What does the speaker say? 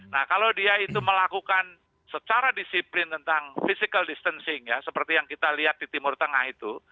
nah kalau dia itu melakukan secara disiplin tentang physical distancing ya seperti yang kita lihat di timur tengah itu